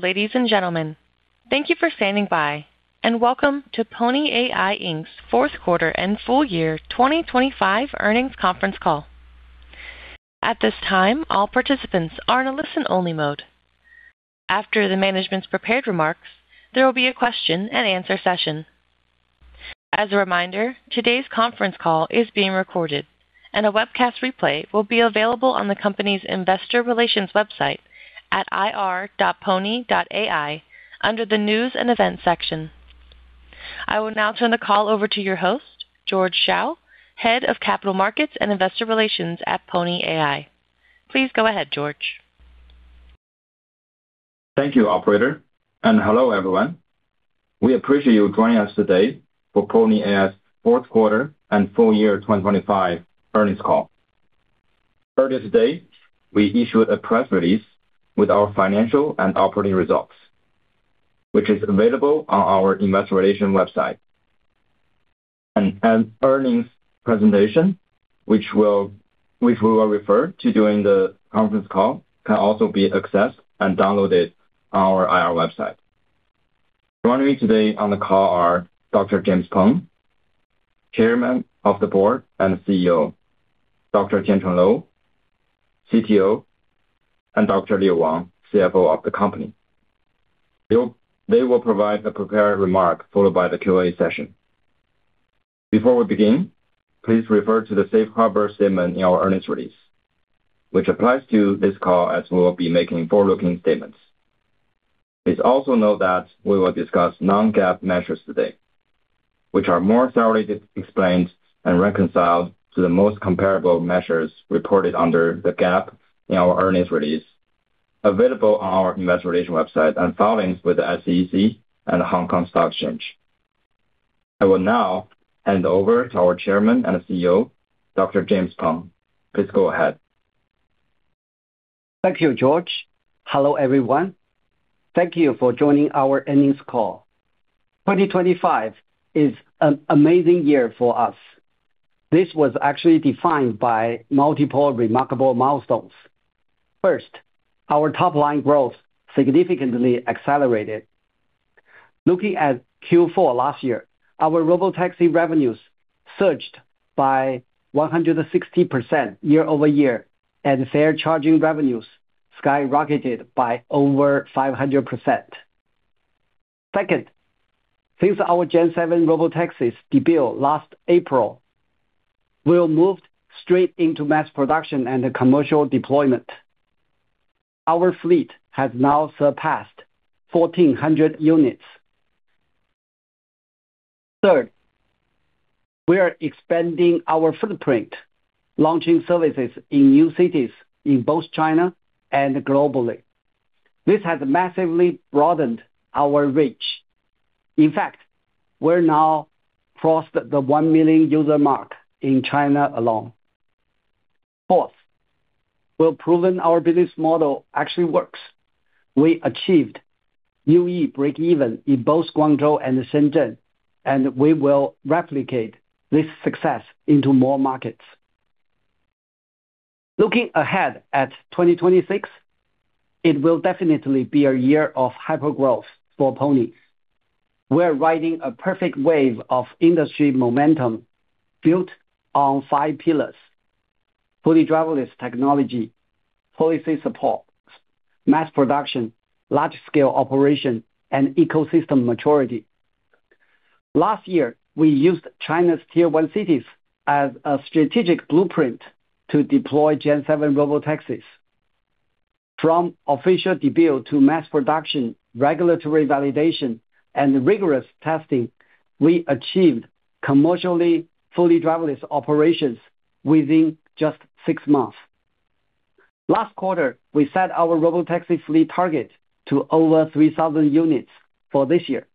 Hello, ladies and gentlemen. Thank you for standing by, and welcome to Pony AI Inc.'s Fourth Quarter and Full-Year 2025 Earnings Conference Call. At this time, all participants are in a listen-only mode. After the management's prepared remarks, there will be a question-and-answer session. As a reminder, today's conference call is being recorded, and a webcast replay will be available on the company's Investor Relations website at ir.pony.ai under the News and Events section. I will now turn the call over to your host, George Shao, Head of Capital Markets and Investor Relations at Pony AI. Please go ahead, George. Thank you, operator, and hello, everyone. We appreciate you joining us today for Pony.ai's fourth quarter and full year 2025 earnings call. Earlier today, we issued a press release with our financial and operating results, which is available on our Investor Relations website. An earnings presentation, which we will refer to during the conference call, can also be accessed and downloaded on our IR website. Joining me today on the call are Dr. James Peng, Chairman of the Board and CEO, Dr. Tiancheng Lou, CTO, and Dr. Leo Wang, CFO of the company. They will provide a prepared remark followed by the Q&A session. Before we begin, please refer to the Safe Harbor statement in our earnings release, which applies to this call as we will be making forward-looking statements. Please also note that we will discuss non-GAAP measures today, which are more thoroughly explained and reconciled to the most comparable measures reported under the GAAP in our earnings release, available on our investor relations website and filings with the SEC and the Hong Kong Stock Exchange. I will now hand over to our Chairman and CEO, Dr. James Peng. Please go ahead. Thank you, George. Hello, everyone. Thank you for joining our earnings call. 2025 is an amazing year for us. This was actually defined by multiple remarkable milestones. First, our top-line growth significantly accelerated. Looking at Q4 last year, our Robotaxi revenues surged by 160% year-over-year, and fare charging revenues skyrocketed by over 500%. Second, since our Gen-7 Robotaxis debut last April, we've moved straight into mass production and commercial deployment. Our fleet has now surpassed 1,400 units. Third, we are expanding our footprint, launching services in new cities in both China and globally. This has massively broadened our reach. In fact, we've now crossed the 1 million user mark in China alone. Fourth, we've proven our business model actually works. We achieved UE breakeven in both Guangzhou and Shenzhen, and we will replicate this success into more markets. Looking ahead at 2026, it will definitely be a year of hypergrowth for Pony. We're riding a perfect wave of industry momentum built on five pillars, fully driverless technology, policy support, mass production, large-scale operation, and ecosystem maturity. Last year, we used China's tier one cities as a strategic blueprint to deploy Gen-7 Robotaxis. From official debut to mass production, regulatory validation, and rigorous testing, we achieved commercially fully driverless operations within just 6 months. Last quarter, we set our Robotaxi fleet target to over 3000 units for this year.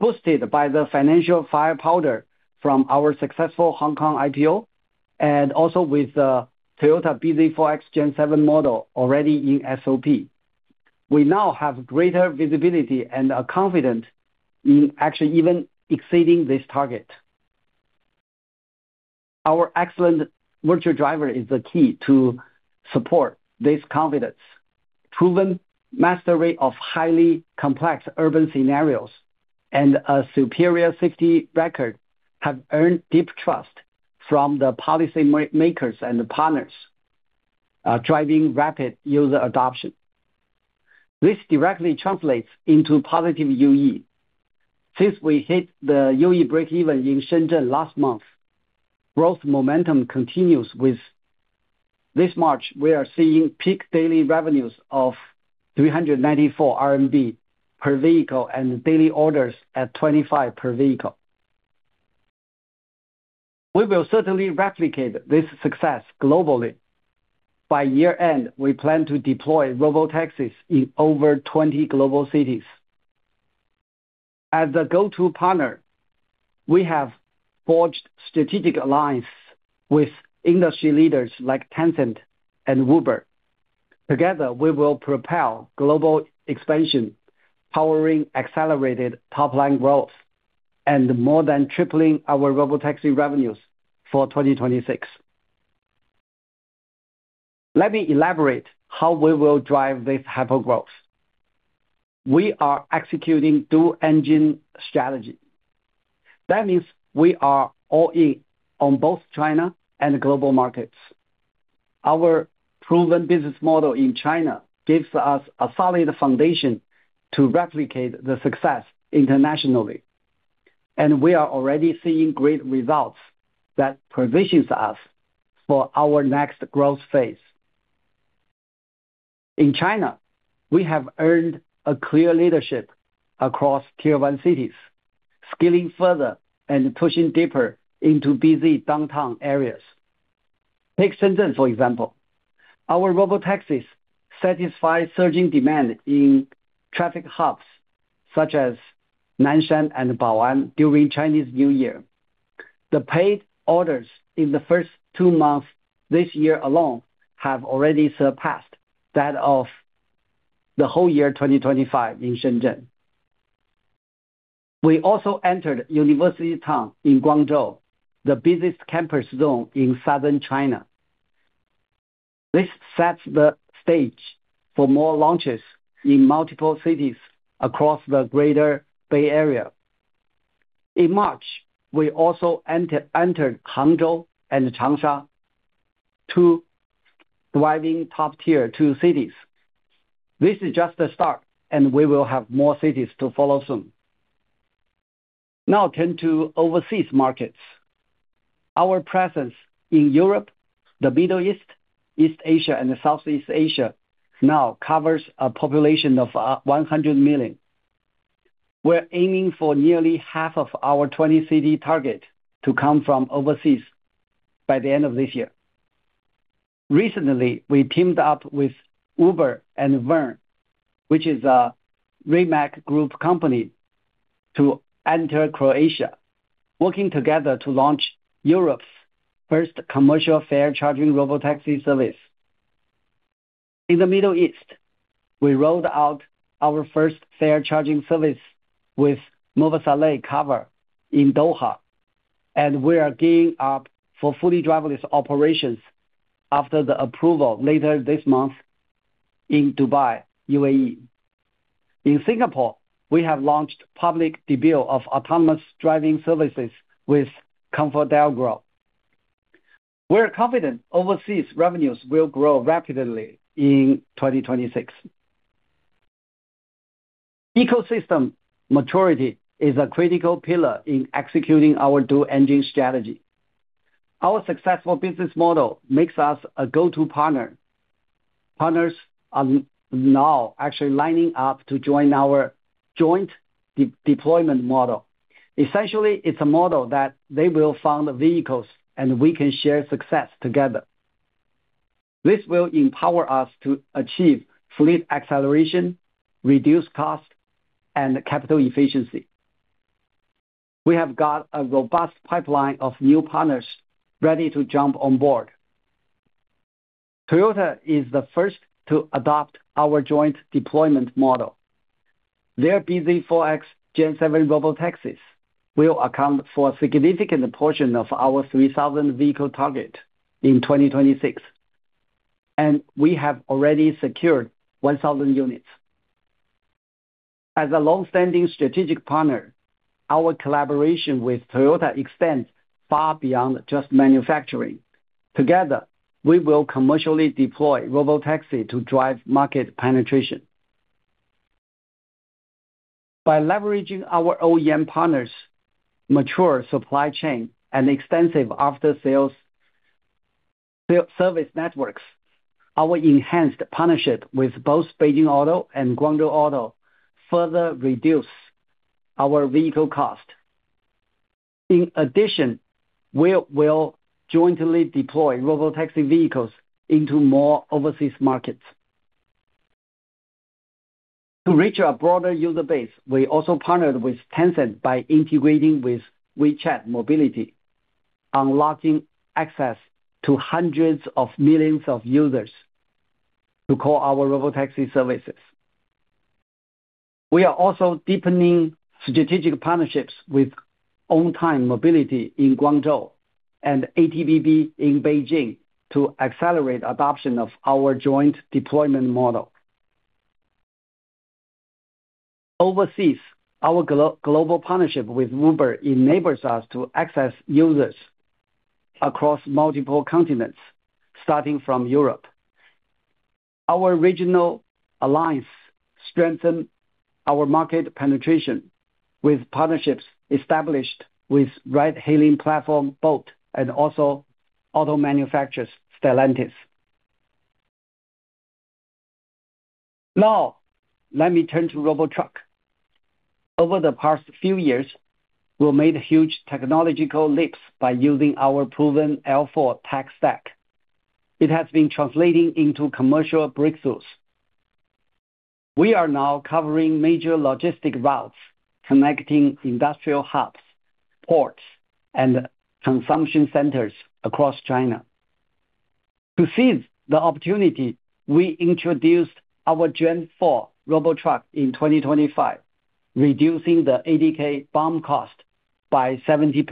Boosted by the financial firepower from our successful Hong Kong IPO, and also with the Toyota bZ4X Gen-7 model already in SOP, we now have greater visibility and are confident in actually even exceeding this target. Our excellent virtual driver is the key to support this confidence. Proven mastery of highly complex urban scenarios and a superior safety record have earned deep trust from the policymakers and partners, driving rapid user adoption. This directly translates into positive UE. Since we hit the UE breakeven in Shenzhen last month, growth momentum continues in this March, we are seeing peak daily revenues of 394 RMB per vehicle and daily orders at 25 per vehicle. We will certainly replicate this success globally. By year-end, we plan to deploy Robotaxis in over 20 global cities. As a go-to partner, we have forged strategic alliance with industry leaders like Tencent and Uber. Together, we will propel global expansion, powering accelerated top-line growth, and more than tripling our Robotaxi revenues for 2026. Let me elaborate how we will drive this hypergrowth. We are executing dual engine strategy. That means we are all in on both China and global markets. Our proven business model in China gives us a solid foundation to replicate the success internationally. We are already seeing great results that positions us for our next growth phase. In China, we have earned a clear leadership across tier one cities, scaling further and pushing deeper into busy downtown areas. Take Shenzhen, for example. Our Robotaxis satisfy surging demand in traffic hubs such as Nanshan and Bao'an during Chinese New Year. The paid orders in the first two months this year alone have already surpassed that of the whole year 2025 in Shenzhen. We also entered University Town in Guangzhou, the busiest campus zone in Southern China. This sets the stage for more launches in multiple cities across the Greater Bay Area. In March, we also entered Hangzhou and Changsha, two thriving top-tier Tier 2 cities. This is just the start, and we will have more cities to follow soon. Now turn to overseas markets. Our presence in Europe, the Middle East Asia, and Southeast Asia now covers a population of 100 million. We're aiming for nearly half of our 20-city target to come from overseas by the end of this year. Recently, we teamed up with Uber and Verne, which is a Rimac Group company, to enter Croatia, working together to launch Europe's first commercial fare charging Robotaxi service. In the Middle East, we rolled out our first fare charging service with Mwasalat in Doha, and we are gearing up for fully driverless operations after the approval later this month in Dubai, U.A.E. In Singapore, we have launched public debut of autonomous driving services with ComfortDelGro. We're confident overseas revenues will grow rapidly in 2026. Ecosystem maturity is a critical pillar in executing our dual engine strategy. Our successful business model makes us a go-to partner. Partners are now actually lining up to join our joint deployment model. Essentially, it's a model that they will fund the vehicles, and we can share success together. This will empower us to achieve fleet acceleration, reduce cost, and capital efficiency. We have got a robust pipeline of new partners ready to jump on board. Toyota is the first to adopt our joint deployment model. Their bZ4X Gen-7 Robotaxis will account for a significant portion of our 3,000 vehicle target in 2026. We have already secured 1,000 units. As a long-standing strategic partner, our collaboration with Toyota extends far beyond just manufacturing. Together, we will commercially deploy Robotaxi to drive market penetration. By leveraging our OEM partners' mature supply chain and extensive after-sales service networks, our enhanced partnership with both Beijing Auto and Guangzhou Auto further reduce our vehicle cost. In addition, we will jointly deploy Robotaxi vehicles into more overseas markets. To reach a broader user base, we also partnered with Tencent by integrating with WeChat Mobility, unlocking access to hundreds of millions of users to call our Robotaxi services. We are also deepening strategic partnerships with OnTime Mobility in Guangzhou and ATBB in Beijing to accelerate adoption of our joint deployment model. Overseas, our global partnership with Uber enables us to access users across multiple continents, starting from Europe. Our regional alliance strengthen our market penetration with partnerships established with ride-hailing platform Bolt and also auto manufacturers Stellantis. Now, let me turn to Robotruck. Over the past few years, we've made huge technological leaps by using our proven L4 tech stack. It has been translating into commercial breakthroughs. We are now covering major logistics routes connecting industrial hubs, ports, and consumption centers across China. To seize the opportunity, we introduced our Gen-4 Robotruck in 2025. Reducing the ADK BOM cost by 70%.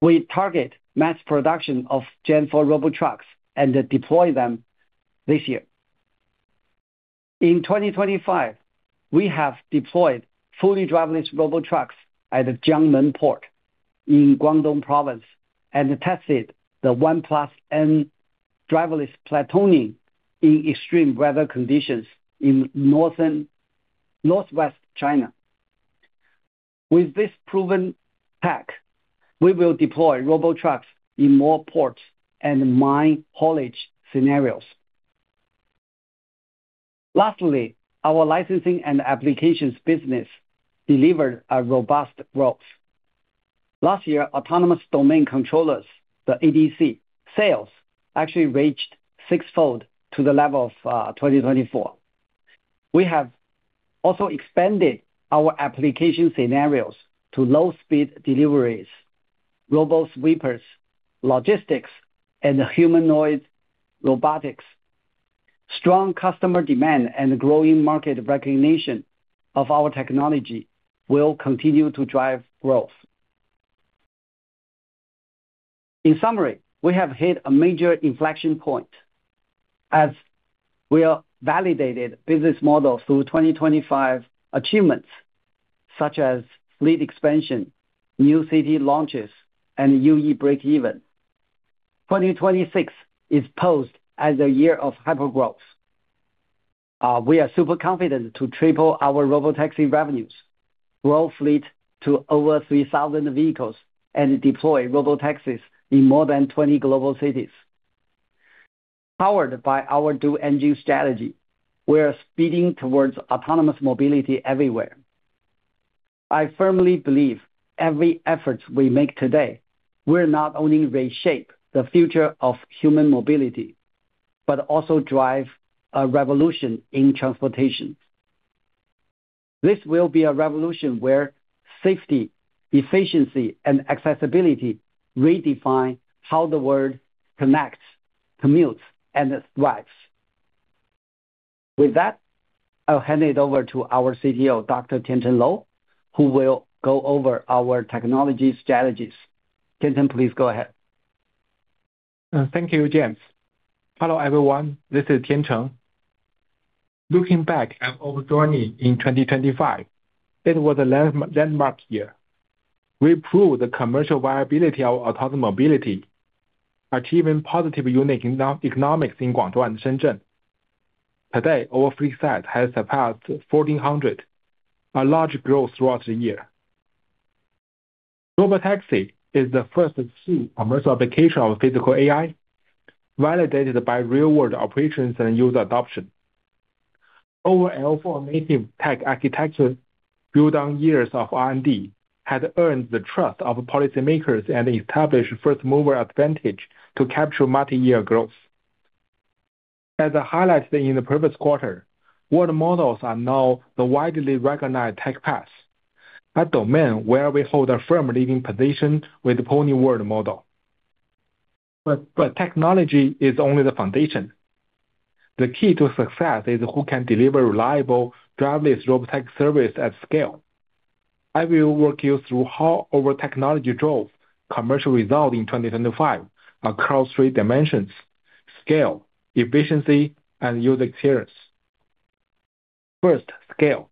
We target mass production of Gen-4 Robotrucks and deploy them this year. In 2025, we have deployed fully driverless Robotrucks at Jiangmen Port in Guangdong Province, and tested the one plus N driverless platooning in extreme weather conditions in northwest China. With this proven tech, we will deploy Robotrucks in more port and mine haulage scenarios. Lastly, our licensing and applications business delivered a robust growth. Last year, autonomous domain controllers, the ADC, sales actually reached six-fold to the level of 2024. We have also expanded our application scenarios to low-speed deliveries, robot sweepers, logistics, and humanoid robotics. Strong customer demand and growing market recognition of our technology will continue to drive growth. In summary, we have hit a major inflection point as we are validated business model through 2025 achievements such as fleet expansion, new city launches, and UE breakeven. 2026 is posed as a year of hypergrowth. We are super confident to triple our Robotaxi revenues, grow fleet to over 3,000 vehicles, and deploy Robotaxis in more than 20 global cities. Powered by our dual-engine strategy, we are speeding towards autonomous mobility everywhere. I firmly believe every effort we make today will not only reshape the future of human mobility, but also drive a revolution in transportation. This will be a revolution where safety, efficiency, and accessibility redefine how the world connects, commutes, and thrives. With that, I'll hand it over to our CTO, Dr. Tiancheng Lou, who will go over our technology strategies. Tiancheng, please go ahead. Thank you, James. Hello, everyone. This is Tiancheng. Looking back at our journey in 2025, it was a landmark year. We proved the commercial viability of autonomous mobility, achieving positive unit economics in Guangzhou and Shenzhen. Today, our fleet size has surpassed 1,400, a large growth throughout the year. Robotaxi is the first key commercial application of Physical AI, validated by real-world operations and user adoption. Our L4 native tech architecture, built on years of R&D, had earned the trust of policymakers and established first-mover advantage to capture multi-year growth. As I highlighted in the previous quarter, world models are now the widely recognized tech path, a domain where we hold a firm leading position with the Pony World model. Technology is only the foundation. The key to success is who can deliver reliable driverless Robotaxi service at scale. I will walk you through how our technology drove commercial result in 2025 across three dimensions: scale, efficiency, and user experience. First, scale.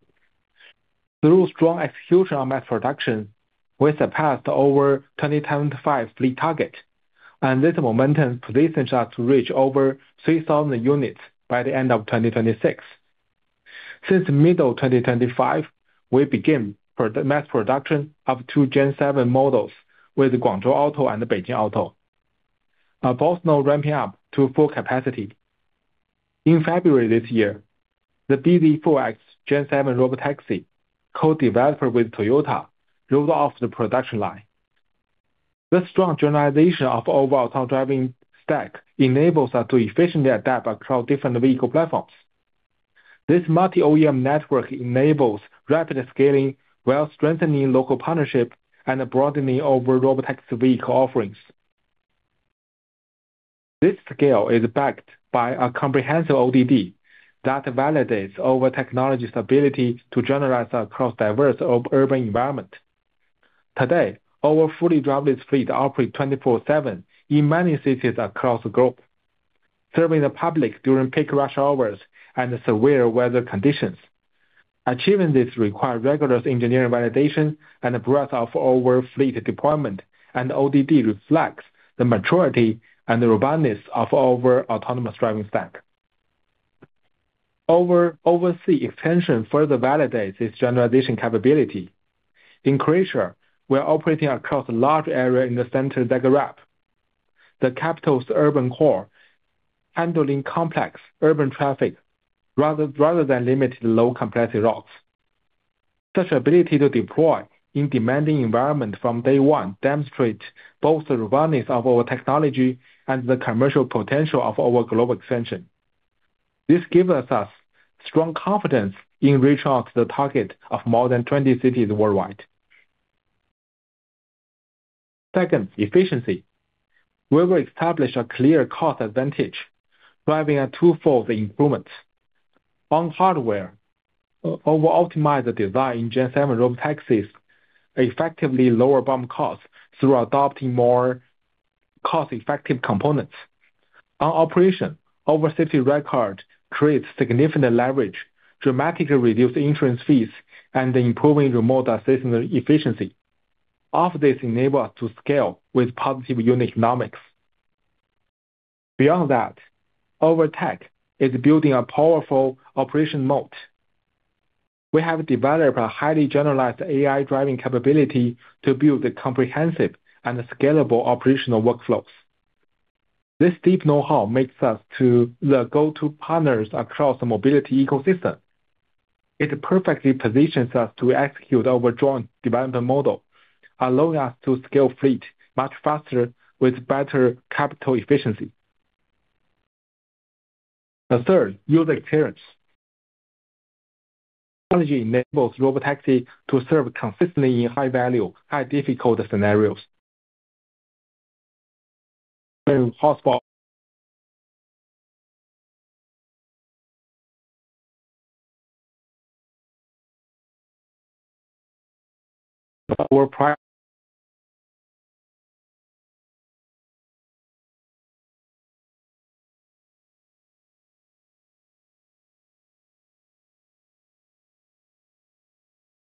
Through strong execution on mass production, we surpassed our 2025 fleet target, and this momentum positions us to reach over 3,000 units by the end of 2026. Since mid-2025, we began mass production of two Gen-7 models with Guangzhou Auto and Beijing Auto, are both now ramping up to full capacity. In February this year, the bZ4X-Gen 7 Robotaxi, co-developed with Toyota, rolled off the production line. The strong generalization of our autonomous driving stack enables us to efficiently adapt across different vehicle platforms. This multi-OEM network enables rapid scaling while strengthening local partnership and broadening our Robotaxi vehicle offerings. This scale is backed by a comprehensive ODD that validates our technology's ability to generalize across diverse urban environment. Today, our fully driverless fleet operate 24/7 in many cities across the globe, serving the public during peak rush hours and severe weather conditions. Achieving this require rigorous engineering validation and the breadth of our fleet deployment, and ODD reflects the maturity and the robustness of our autonomous driving stack. Our overseas expansion further validates this generalization capability. In Croatia, we are operating across a large area in the center of Zagreb, the capital's urban core, handling complex urban traffic rather than limited low-complexity routes. Such ability to deploy in demanding environment from day one demonstrate both the robustness of our technology and the commercial potential of our global expansion. This gives us strong confidence in reaching out to the target of more than 20 cities worldwide. Second, efficiency. We will establish a clear cost advantage driving a twofold improvement. On hardware, we will optimize the design Gen-7 Robotaxis effectively lower BOM costs through adopting more cost-effective components. On operation, our safety record creates significant leverage, dramatically reduce insurance fees, and improving remote assessment efficiency. All of this enable us to scale with positive unit economics. Beyond that, our tech is building a powerful operation moat. We have developed a highly generalized AI driving capability to build a comprehensive and scalable operational workflows. This deep know-how makes us the go-to partners across the mobility ecosystem. It perfectly positions us to execute our joint development model, allowing us to scale fleet much faster with better capital efficiency. The third, user experience. Technology enables Robotaxi to serve consistently in high value, high difficult scenarios possible-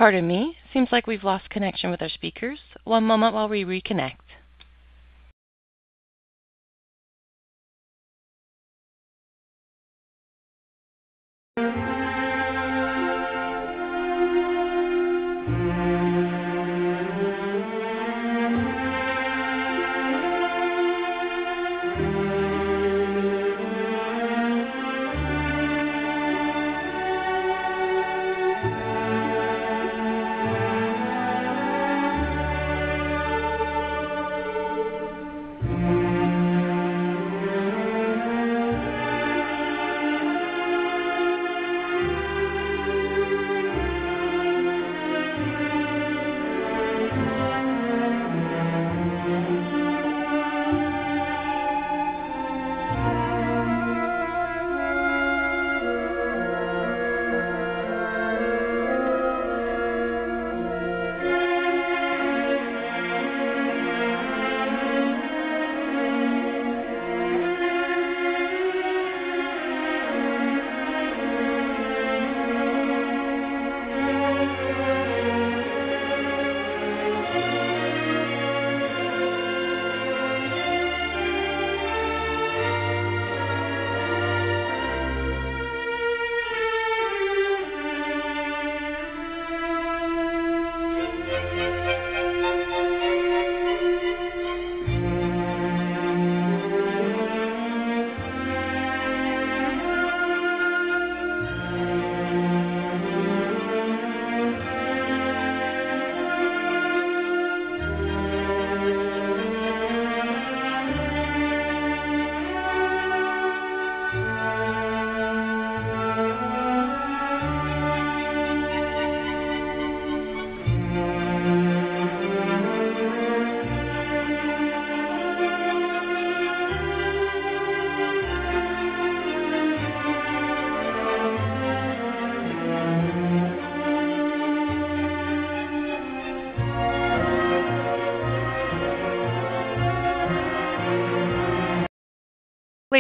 Pardon me. Seems like we've lost connection with our speakers. One moment while we reconnect.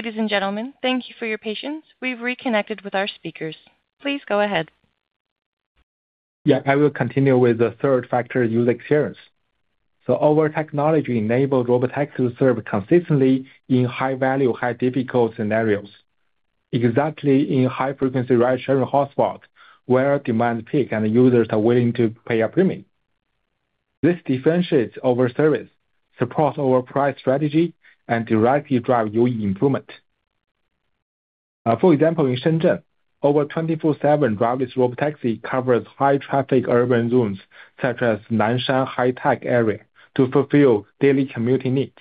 Ladies and gentlemen, thank you for your patience. We've reconnected with our speakers. Please go ahead. Yeah. I will continue with the third factor, user experience. Our technology enabled Robotaxi to serve consistently in high value, high difficult scenarios, exactly in high frequency ride-sharing hotspot where demand peak and users are willing to pay a premium. This differentiates our service, supports our price strategy, and directly drive user improvement. For example, in Shenzhen, our 24/7 driverless Robotaxi covers high traffic urban zones such as Nanshan High-Tech Area to fulfill daily commuting needs.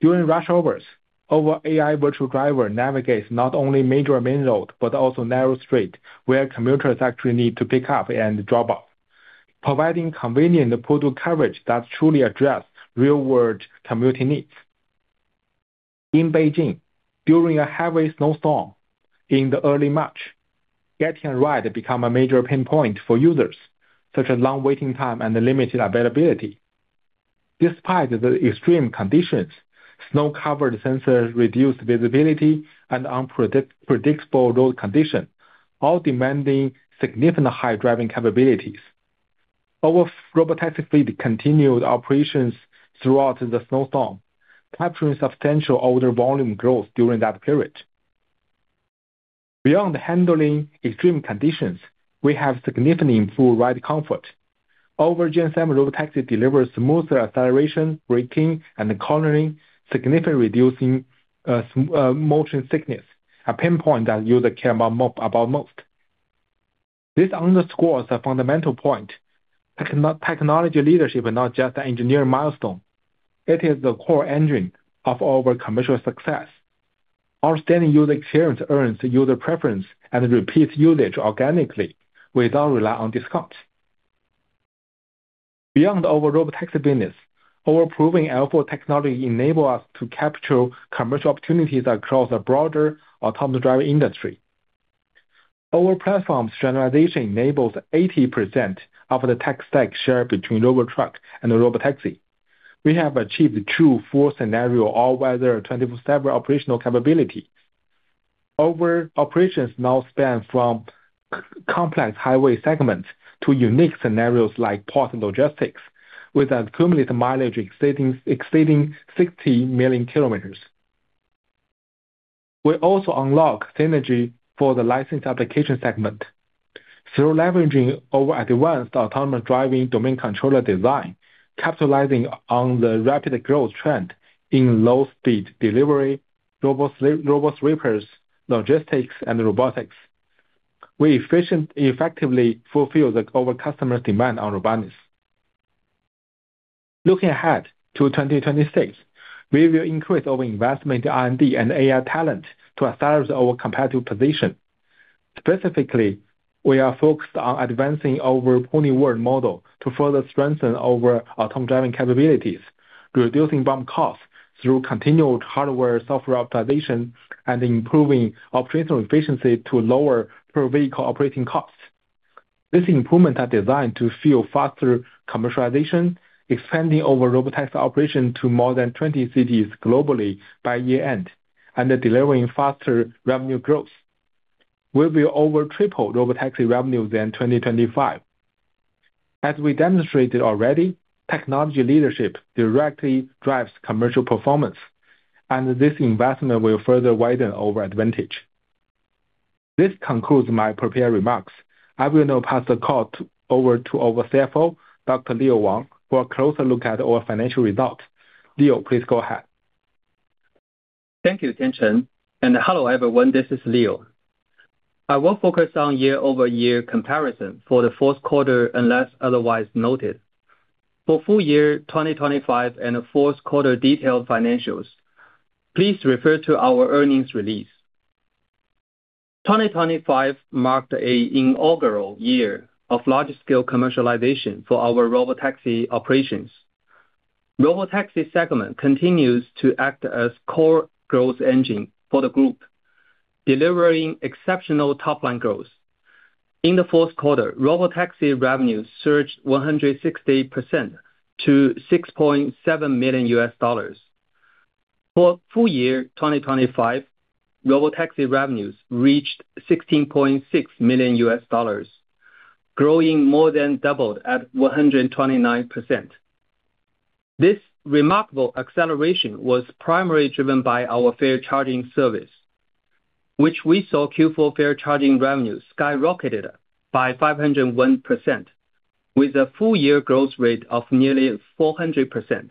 During rush hours, our AI virtual driver navigates not only major main road, but also narrow street, where commuters actually need to pick up and drop off, providing convenient portal coverage that truly address real-world commuting needs. In Beijing, during a heavy snowstorm in the early March, getting a ride become a major pain point for users, such as long waiting time and limited availability. Despite the extreme conditions, snow-covered sensors reduced visibility and unpredictable road condition, all demanding significant high driving capabilities. Our Robotaxi fleet continued operations throughout the snowstorm, capturing substantial order volume growth during that period. Beyond handling extreme conditions, we have significantly improved ride comfort. Our Gen-7 Robotaxi delivers smoother acceleration, braking, and cornering, significantly reducing motion sickness, a pain point that users care about most. This underscores a fundamental point. Technology leadership is not just an engineering milestone. It is the core engine of our commercial success. Outstanding user experience earns user preference and repeat usage organically without relying on discounts. Beyond our Robotaxi business, our proven L4 technology enable us to capture commercial opportunities across a broader autonomous driving industry. Our platform's generalization enables 80% of the tech stack shared between Robotruck and the Robotaxi. We have achieved true full scenario all-weather 24/7 operational capability. Our operations now span from complex highway segments to unique scenarios like port and logistics, with a cumulative mileage exceeding 60 million km. We also unlock synergy for the license application segment. Through leveraging our advanced autonomous driving domain controller design, capitalizing on the rapid growth trend in low-speed delivery, robosweepers, logistics, and robotics, we effectively fulfill our customer demand on robotics. Looking ahead to 2026, we will increase our investment in R&D and AI talent to accelerate our competitive position. Specifically, we are focused on advancing our Pony World model to further strengthen our autonomous driving capabilities, reducing BOM costs through continued hardware/software optimization, and improving operational efficiency to lower per-vehicle operating costs. These improvements are designed to fuel faster commercialization, expanding our Robotaxi operation to more than 20 cities globally by year-end, and delivering faster revenue growth. We'll be over triple Robotaxi revenue than 2025. As we demonstrated already, technology leadership directly drives commercial performance, and this investment will further widen our advantage. This concludes my prepared remarks. I will now pass the call over to our CFO, Dr. Leo Wang, for a closer look at our financial results. Leo, please go ahead. Thank you, Tiancheng, and hello, everyone. This is Leo. I will focus on year-over-year comparison for the fourth quarter, unless otherwise noted. For full year 2025 and fourth quarter detailed financials, please refer to our earnings release. 2025 marked an inaugural year of large-scale commercialization for our Robotaxi operations. Robotaxi segment continues to act as core growth engine for the group, delivering exceptional top-line growth. In the fourth quarter, Robotaxi revenues surged 160% to $6.7 million. For full year 2025, Robotaxi revenues reached $16.6 million, growing more than double at 129%. This remarkable acceleration was primarily driven by our fare charging service, which we saw Q4 fare charging revenues skyrocketed by 501%, with a full-year growth rate of nearly 400%.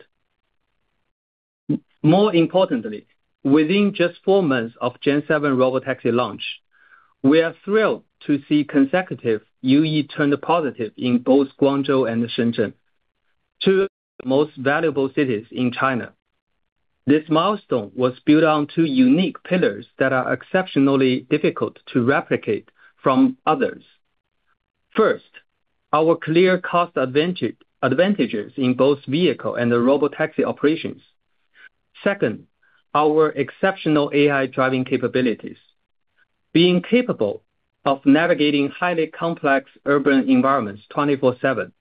More importantly, within just four months of Gen-7 Robotaxi launch, we are thrilled to see consecutive UE turn positive in both Guangzhou and Shenzhen, two of the most valuable cities in China. This milestone was built on two unique pillars that are exceptionally difficult to replicate from others. First, our clear cost advantages in both vehicle and the Robotaxi operations. Second, our exceptional AI driving capabilities. Being capable of navigating highly complex urban environments 24/7,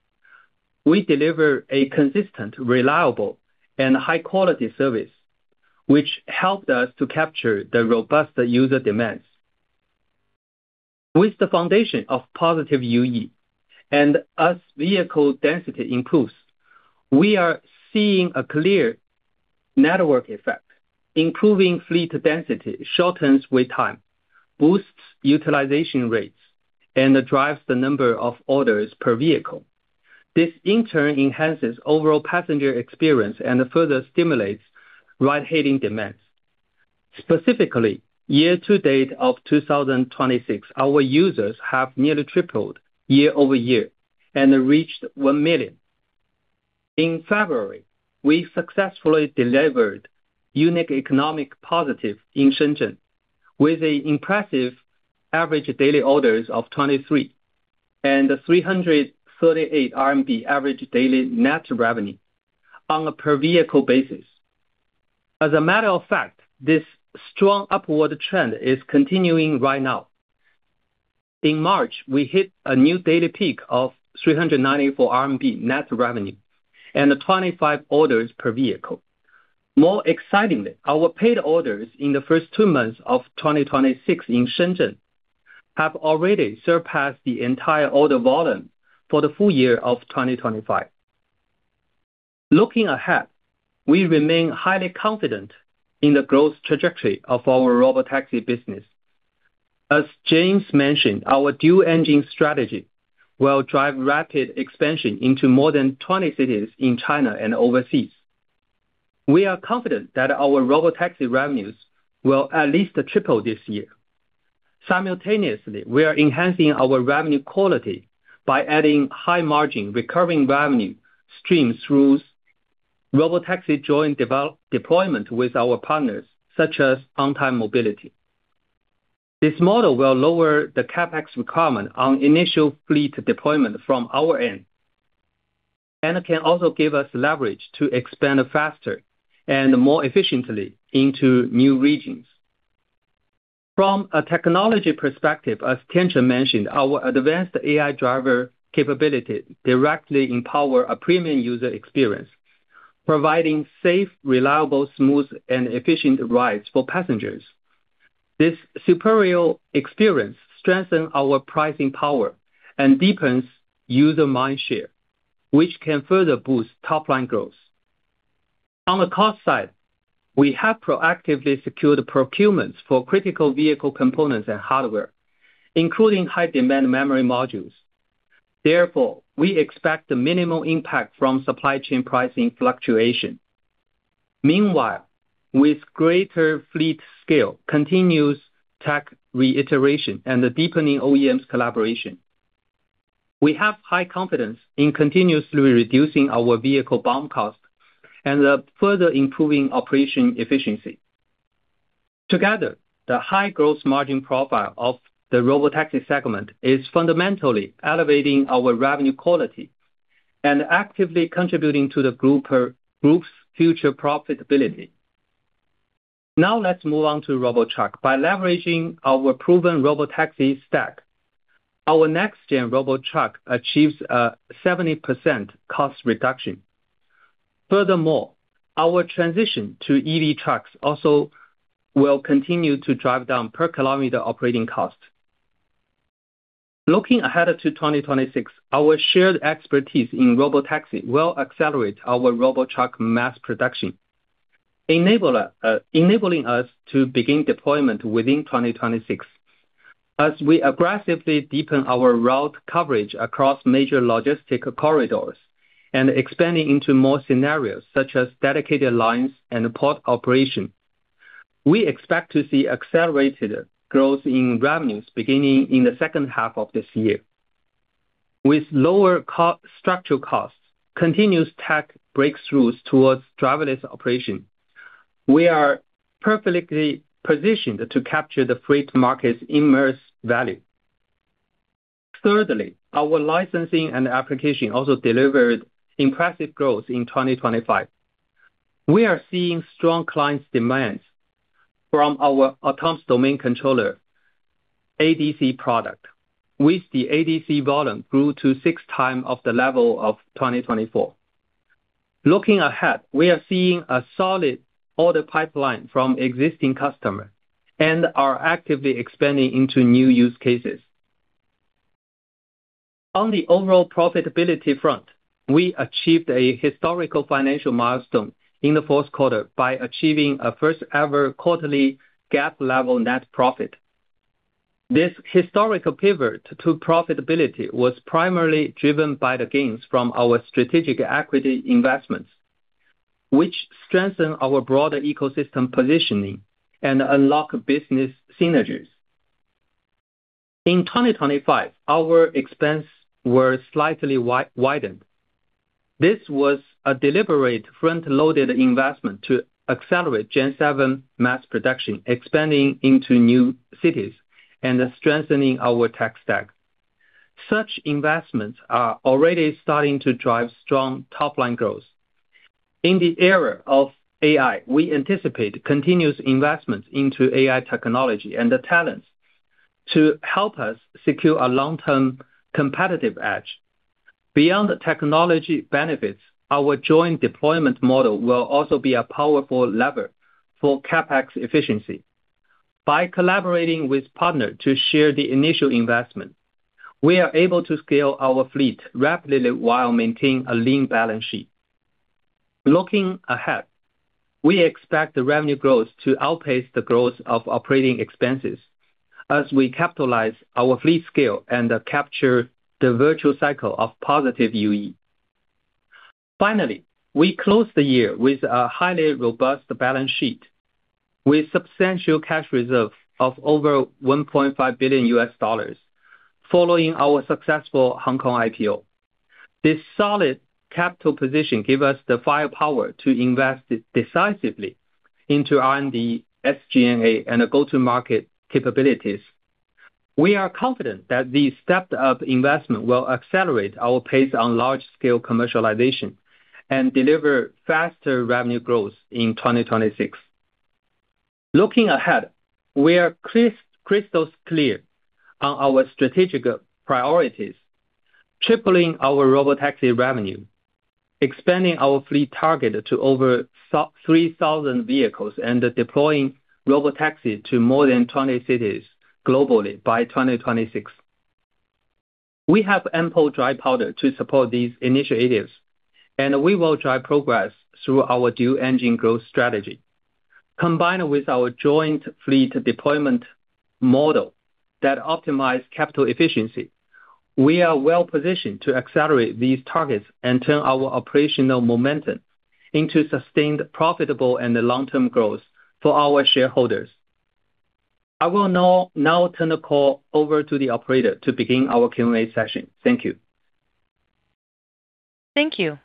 we deliver a consistent, reliable, and high-quality service, which helped us to capture the robust user demands. With the foundation of positive UE and as vehicle density improves, we are seeing a clear network effect. Improving fleet density shortens wait time, boosts utilization rates, and drives the number of orders per vehicle. This in turn enhances overall passenger experience and further stimulates ride-hailing demands. Specifically, year to date of 2026, our users have nearly tripled year-over-year and reached 1 million. In February, we successfully delivered positive unit economics in Shenzhen with an impressive average daily orders of 23 and 338 RMB average daily net revenue on a per-vehicle basis. As a matter of fact, this strong upward trend is continuing right now. In March, we hit a new daily peak of 394 RMB net revenue and 25 orders per vehicle. More excitingly, our paid orders in the first two months of 2026 in Shenzhen have already surpassed the entire order volume for the full year of 2025. Looking ahead, we remain highly confident in the growth trajectory of our Robotaxi business. As James mentioned, our dual-engine strategy will drive rapid expansion into more than 20 cities in China and overseas. We are confident that our Robotaxi revenues will at least triple this year. Simultaneously, we are enhancing our revenue quality by adding high margin recurring revenue streams through Robotaxi joint development-deployment with our partners such as OnTime Mobility. This model will lower the CapEx requirement on initial fleet deployment from our end, and it can also give us leverage to expand faster and more efficiently into new regions. From a technology perspective, as Tiancheng mentioned, our advanced AI driver capability directly empower a premium user experience, providing safe, reliable, smooth, and efficient rides for passengers. This superior experience strengthen our pricing power and deepens user mindshare, which can further boost top line growth. On the cost side, we have proactively secured procurements for critical vehicle components and hardware, including high demand memory modules. Therefore, we expect a minimal impact from supply chain pricing fluctuation. Meanwhile, with greater fleet scale, continuous tech reiteration, and the deepening OEMs collaboration, we have high confidence in continuously reducing our vehicle BOM costs and further improving operation efficiency. Together, the high growth margin profile of the Robotaxi segment is fundamentally elevating our revenue quality and actively contributing to the group's future profitability. Now let's move on to Robotruck. By leveraging our proven Robotaxi stack, our next-gen Robotruck achieves a 70% cost reduction. Furthermore, our transition to EV trucks also will continue to drive down per-kilometer operating costs. Looking ahead to 2026, our shared expertise in Robotaxi will accelerate our Robotruck mass production, enabling us to begin deployment within 2026. As we aggressively deepen our route coverage across major logistic corridors and expanding into more scenarios such as dedicated lines and port operation, we expect to see accelerated growth in revenues beginning in the second half of this year. With lower cost-structural costs, continuous tech breakthroughs towards driverless operation, we are perfectly positioned to capture the freight market's immense value. Thirdly, our licensing and application also delivered impressive growth in 2025. We are seeing strong client demands from our autonomous domain controller, ADC product, with the ADC volume grew to six times of the level of 2024. Looking ahead, we are seeing a solid order pipeline from existing customer and are actively expanding into new use cases. On the overall profitability front, we achieved a historical financial milestone in the fourth quarter by achieving a first-ever quarterly GAAP level net profit. This historical pivot to profitability was primarily driven by the gains from our strategic equity investments, which strengthen our broader ecosystem positioning and unlock business synergies. In 2025, our expense were slightly widened. This was a deliberate front-loaded investment to accelerate Gen-7 mass production, expanding into new cities and strengthening our tech stack. Such investments are already starting to drive strong top line growth. In the era of AI, we anticipate continuous investments into AI technology and the talents to help us secure a long-term competitive edge. Beyond the technology benefits, our joint deployment model will also be a powerful lever for CapEx efficiency. By collaborating with partner to share the initial investment, we are able to scale our fleet rapidly while maintaining a lean balance sheet. Looking ahead, we expect the revenue growth to outpace the growth of operating expenses as we capitalize our fleet scale and capture the virtuous cycle of positive UE. Finally, we close the year with a highly robust balance sheet with substantial cash reserve of over $1.5 billion following our successful Hong Kong IPO. This solid capital position give us the firepower to invest decisively into R&D, SG&A, and go-to-market capabilities. We are confident that the stepped up investment will accelerate our pace on large scale commercialization and deliver faster revenue growth in 2026. Looking ahead, we are crystal clear on our strategic priorities, tripling our Robotaxi revenue, expanding our fleet target to over 3,000 vehicles, and deploying Robotaxi to more than 20 cities globally by 2026. We have ample dry powder to support these initiatives, and we will drive progress through our dual engine growth strategy, combined with our joint fleet deployment model that optimize capital efficiency. We are well positioned to accelerate these targets and turn our operational momentum into sustained, profitable, and long-term growth for our shareholders. I will now turn the call over to the operator to begin our Q&A session. Thank you. Thank you.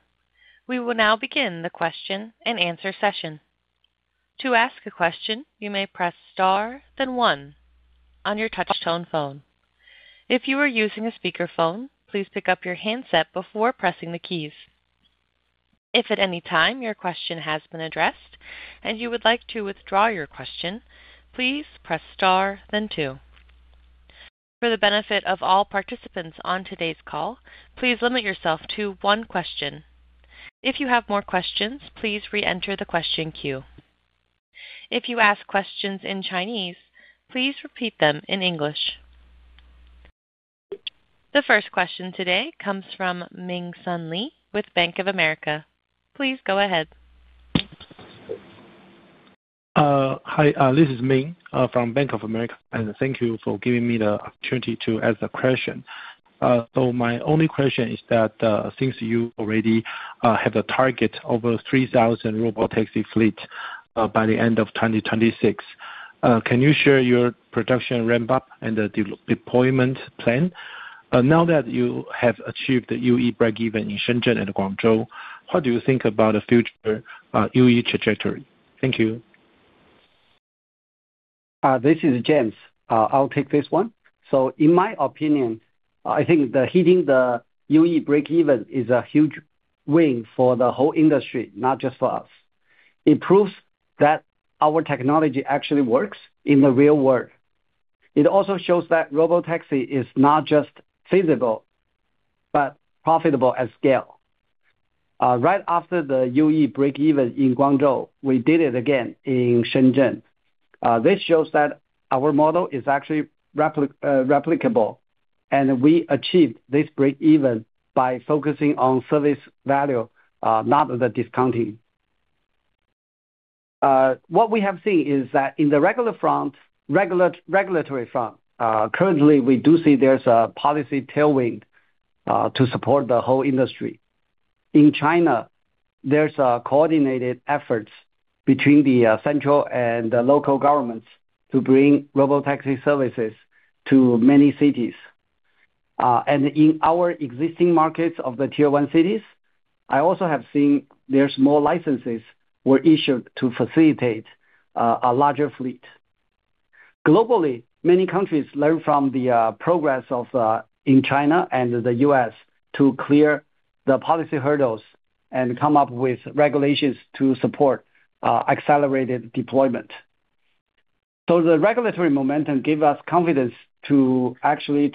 We will now begin the question-and-answer session. To ask a question, you may press star then one on your touch-tone phone. If you are using a speaker phone, please pick up your handset before pressing the keys. If at any time your question has been addressed and you would like to withdraw your question, please press star then two. For the benefit of all participants on today's call, please limit yourself to one question. If you have more questions, please re-enter the question queue. If you ask questions in Chinese, please repeat them in English. The first question today comes from Ming-Hsun Lee with Bank of America. Please go ahead. Hi, this is Ming from Bank of America, and thank you for giving me the opportunity to ask the question. So my only question is that since you already have a target over 3,000 Robotaxi fleet by the end of 2026, can you share your production ramp up and the deployment plan? Now that you have achieved the UE breakeven in Shenzhen and Guangzhou, what do you think about the future UE trajectory? Thank you. This is James. I'll take this one. In my opinion, I think hitting the UE breakeven is a huge win for the whole industry, not just for us. It proves that our technology actually works in the real world. It also shows that Robotaxi is not just feasible, but profitable at scale. Right after the UE breakeven in Guangzhou, we did it again in Shenzhen. This shows that our model is actually replicable, and we achieved this breakeven by focusing on service value, not the discounting. What we have seen is that in the regulatory front, currently we do see there's a policy tailwind to support the whole industry. In China, there's coordinated efforts between the central and the local governments to bring Robotaxi services to many cities. In our existing markets of the tier one cities, I also have seen there's more licenses were issued to facilitate a larger fleet. Globally, many countries learn from the progress of in China and the U.S. to clear the policy hurdles and come up with regulations to support accelerated deployment. The regulatory momentum give us confidence to actually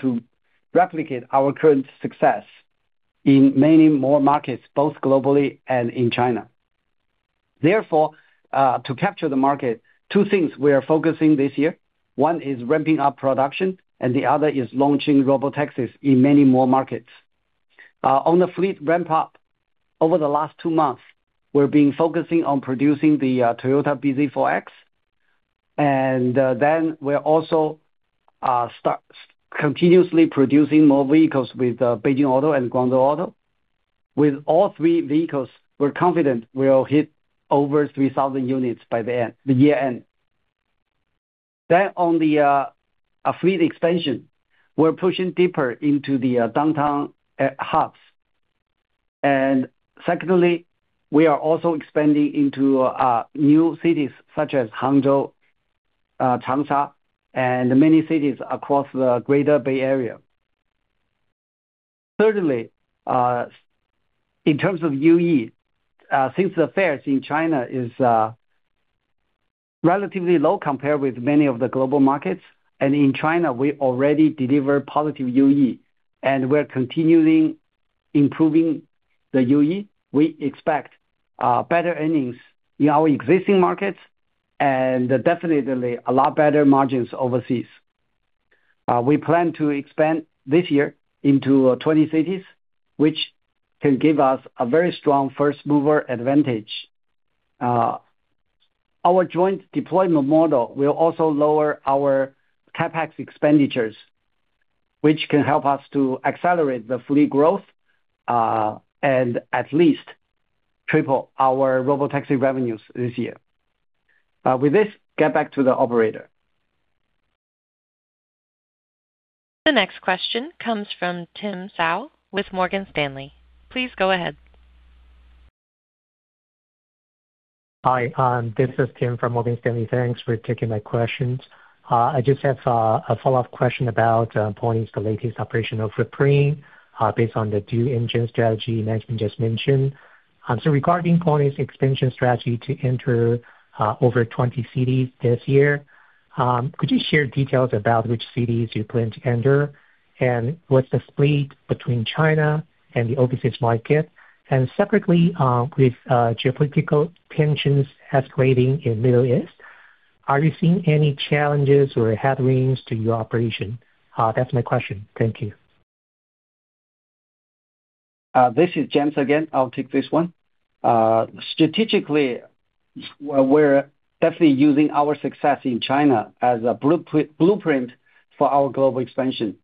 replicate our current success in many more markets, both globally and in China. To capture the market, two things we are focusing this year. One is ramping up production, and the other is launching Robotaxis in many more markets. On the fleet ramp up, over the last two months, we're being focusing on producing the Toyota bZ4X, and then we're also continuously producing more vehicles with Beijing Auto and Guangzhou Auto. With all three vehicles, we're confident we'll hit over 3,000 units by the year-end. On the fleet expansion, we're pushing deeper into the downtown hubs. Secondly, we are also expanding into new cities such as Hangzhou, Changsha, and many cities across the Greater Bay Area. Thirdly, in terms of UE, since the fares in China is relatively low compared with many of the global markets, and in China we already deliver positive UE and we're continuing improving the UE, we expect better earnings in our existing markets and definitely a lot better margins overseas. We plan to expand this year into 20 cities, which can give us a very strong first mover advantage. Our joint deployment model will also lower our CapEx expenditures, which can help us to accelerate the fleet growth, and at least triple our Robotaxi revenues this year. With this, get back to the operator. The next question comes from Ting Song with Morgan Stanley. Please go ahead. Hi, this is Ting Song from Morgan Stanley. Thanks for taking my questions. I just have a follow-up question about Pony's latest operational footprint based on the dual engine strategy James Peng just mentioned. Regarding Pony's expansion strategy to enter over 20 cities this year, could you share details about which cities you plan to enter, and what's the split between China and the overseas market? Separately, with geopolitical tensions escalating in Middle East, are you seeing any challenges or headwinds to your operation? That's my question. Thank you. This is James again. I'll take this one. Strategically, we're definitely using our success in China as a blueprint for our global expansion.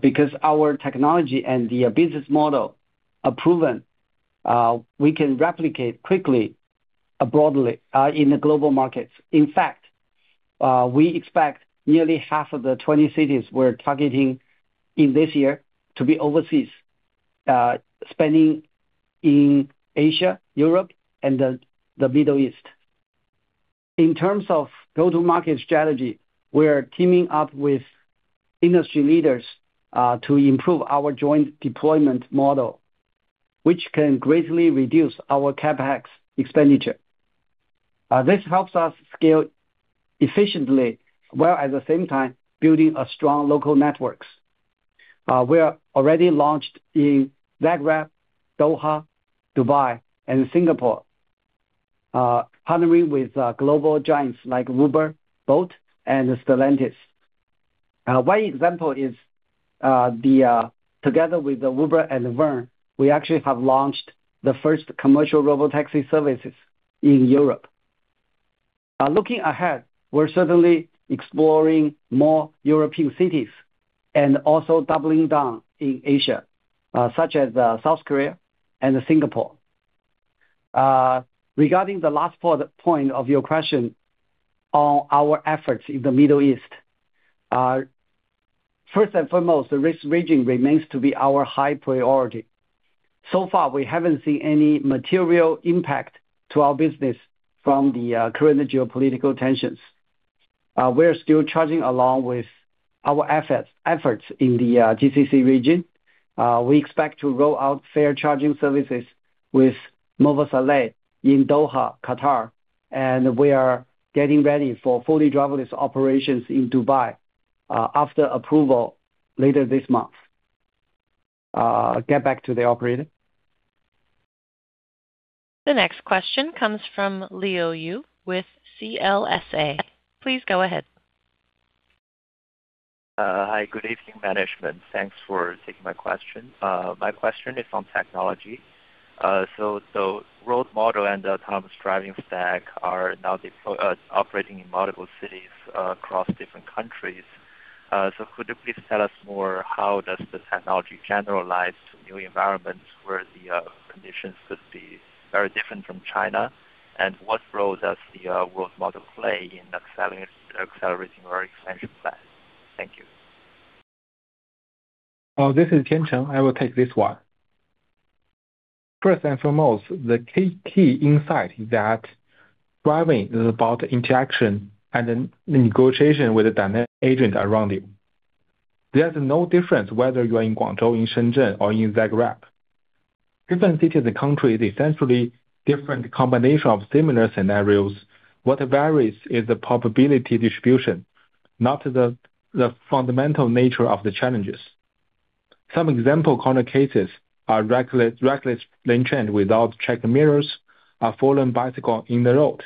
Because our technology and the business model are proven, we can replicate quickly and broadly in the global markets. In fact, we expect nearly half of the 20 cities we're targeting this year to be overseas, spanning in Asia, Europe, and the Middle East. In terms of go-to-market strategy, we're teaming up with industry leaders to improve our joint deployment model, which can greatly reduce our CapEx expenditure. This helps us scale efficiently, while at the same time building a strong local networks. We are already launched in Zagreb, Doha, Dubai, and Singapore, partnering with global giants like Uber, Bolt, and Stellantis. One example is the together with Uber and Verne, we actually have launched the first commercial Robotaxi services in Europe. Looking ahead, we're certainly exploring more European cities and also doubling down in Asia, such as South Korea and Singapore. Regarding the last point of your question on our efforts in the Middle East. First and foremost, this region remains to be our high priority. So far, we haven't seen any material impact to our business from the current geopolitical tensions. We're still charging along with our efforts in the GCC region. We expect to roll out fare charging services with Mwasalat in Doha, Qatar, and we are getting ready for fully driverless operations in Dubai after approval later this month. Get back to the operator. The next question comes from Leo Yu with CLSA. Please go ahead. Hi. Good evening, management. Thanks for taking my question. My question is on technology. World model and autonomous driving stack are now operating in multiple cities across different countries. Could you please tell us more, how does this technology generalize to new environments where the conditions could be very different from China? What role does the world model play in accelerating your expansion plan? Thank you. This is Tiancheng. I will take this one. First and foremost, the key insight is that driving is about interaction and negotiation with the dynamic agent around you. There's no difference whether you are in Guangzhou, in Shenzhen, or in Zagreb. Different cities and countries, essentially different combination of similar scenarios. What varies is the probability distribution, not the fundamental nature of the challenges. Some example corner cases are reckless lane change without checking mirrors, a fallen bicycle in the road.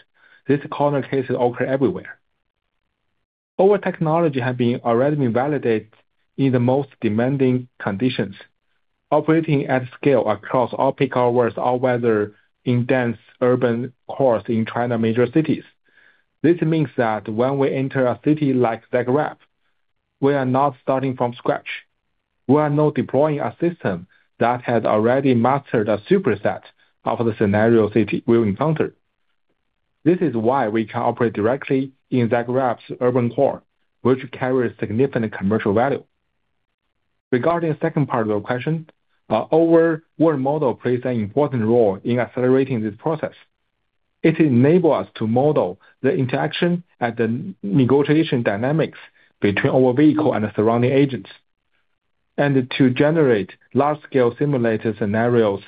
These corner cases occur everywhere. Our technology has already been validated in the most demanding conditions, operating at scale across all peak hours, all weather in dense urban cores in China major cities. This means that when we enter a city like Zagreb, we are not starting from scratch. We are now deploying a system that has already mastered a superset of the scenario city we will encounter. This is why we can operate directly in Zagreb's urban core, which carries significant commercial value. Regarding the second part of your question, our world model plays an important role in accelerating this process. It enables us to model the interaction and the negotiation dynamics between our vehicle and the surrounding agents, and to generate large-scale simulator scenarios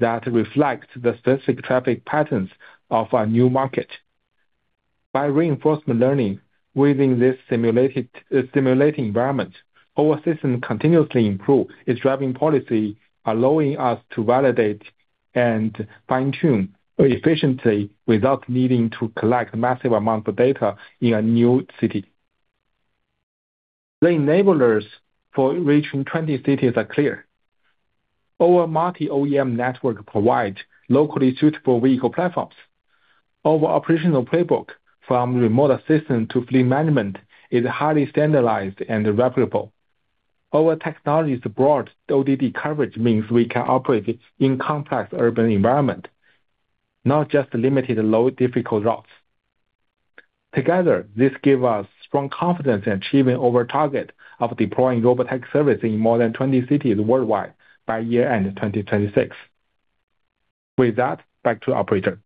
that reflect the specific traffic patterns of a new market. By reinforcement learning within this simulated environment, our system continuously improves its driving policy, allowing us to validate and fine-tune efficiently without needing to collect massive amounts of data in a new city. The enablers for reaching 20 cities are clear. Our multi-OEM network provides locally suitable vehicle platforms. Our operational playbook from remote assistant to fleet management is highly standardized and replicable. Our technology's broad ODD coverage means we can operate in complex urban environment, not just limited low difficult routes. Together, this give us strong confidence in achieving our target of deploying Robotaxi service in more than 20 cities worldwide by year-end 2026. With that, back to operator.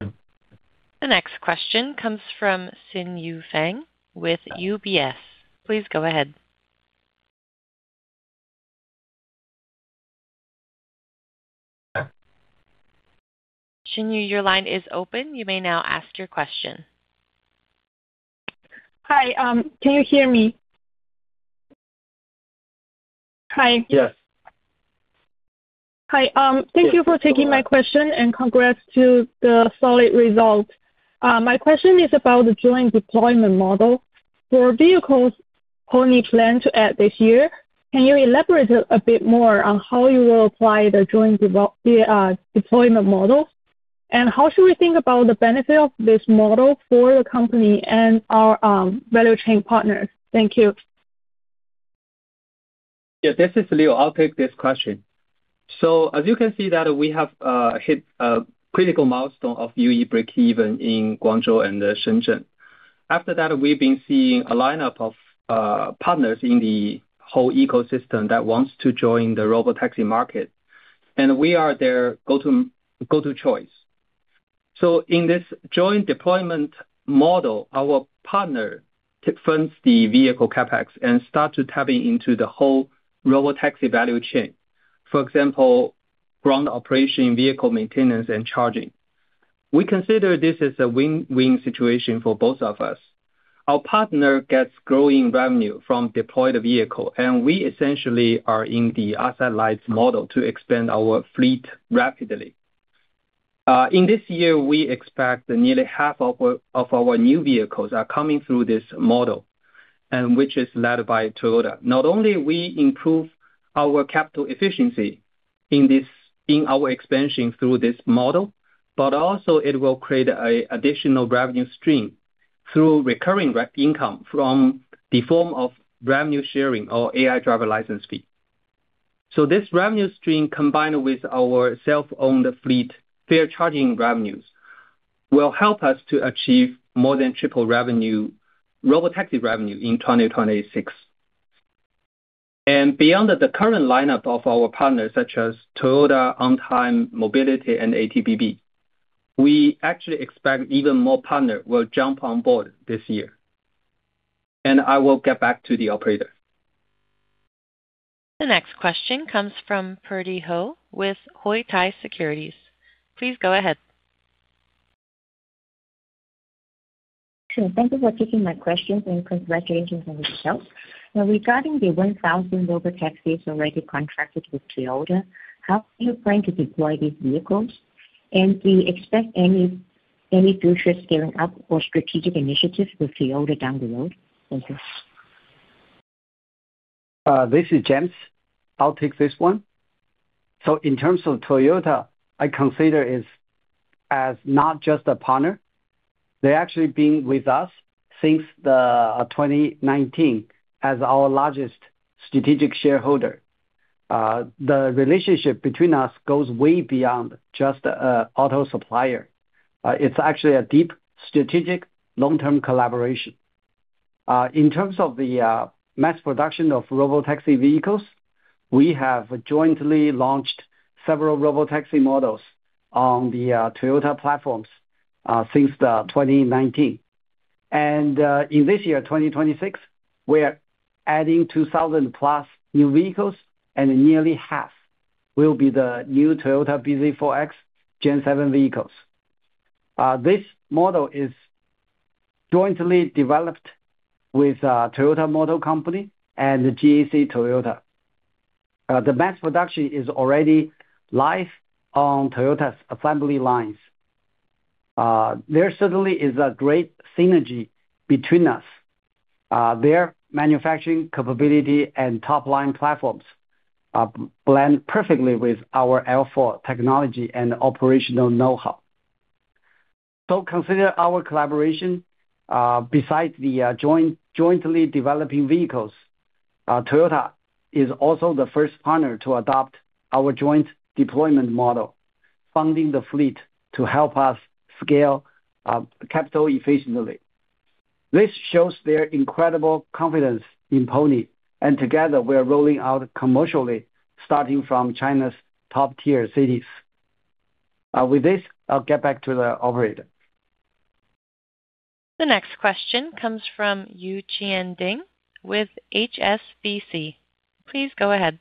The next question comes from Xinyu Fang with UBS. Please go ahead. Xinyu, your line is open. You may now ask your question. Hi. Can you hear me? Hi. Yes. Hi, thank you for taking my question, and congrats to the solid results. My question is about the joint deployment model. For vehicles Pony plan to add this year, can you elaborate a bit more on how you will apply the joint deployment model? How should we think about the benefit of this model for your company and our value chain partners? Thank you. Yeah, this is Leo. I'll take this question. As you can see that we have hit a critical milestone of UE breakeven in Guangzhou and Shenzhen. After that, we've been seeing a lineup of partners in the whole ecosystem that wants to join the Robotaxi market, and we are their go-to choice. In this joint deployment model, our partner funds the vehicle CapEx and starts tapping into the whole Robotaxi value chain. For example, ground operation, vehicle maintenance and charging. We consider this as a win-win situation for both of us. Our partner gets growing revenue from deployed vehicle, and we essentially are in the asset-light model to expand our fleet rapidly. In this year, we expect nearly half of our new vehicles are coming through this model, and which is led by Toyota. Not only we improve our capital efficiency in this, in our expansion through this model, but also it will create an additional revenue stream through recurring income in the form of revenue sharing or AI driver license fee. This revenue stream, combined with our self-owned fleet fare charging revenues, will help us to achieve more than triple Robotaxi revenue in 2026. Beyond the current lineup of our partners such as Toyota, OnTime Mobility, and ATBB, we actually expect even more partners will jump on board this year. I will get back to the operator. The next question comes from Purdy Ho with Huatai Securities. Please go ahead. Sure. Thank you for taking my question, and congratulations on the results. Now, regarding the 1,000 Robotaxis already contracted with Toyota, how are you planning to deploy these vehicles? And do you expect any future scaling up or strategic initiatives with Toyota down the road? Thank you. This is James. I'll take this one. In terms of Toyota, I consider it as not just a partner. They've actually been with us since 2019 as our largest strategic shareholder. The relationship between us goes way beyond just a auto supplier. It's actually a deep strategic long-term collaboration. In terms of the mass production of Robotaxi vehicles, we have jointly launched several Robotaxi models on the Toyota platforms since 2019. In this year, 2026, we're adding 2,000+ new vehicles, and nearly half will be the new Toyota bZ4X Gen-7 vehicles. This model is jointly developed with Toyota Motor Corporation and GAC Toyota. The mass production is already live on Toyota's assembly lines. There certainly is a great synergy between us. Their manufacturing capability and top-line platforms blend perfectly with our L4 technology and operational know-how. Consider our collaboration. Besides jointly developing vehicles, Toyota is also the first partner to adopt our joint deployment model, funding the fleet to help us scale capital efficiently. This shows their incredible confidence in Pony, and together, we are rolling out commercially, starting from China's top-tier cities. With this, I'll get back to the operator. The next question comes from Yu-Chien Ting with HSBC. Please go ahead.